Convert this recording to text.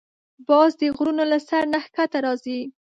باز د غرونو له سر نه ښکته راځي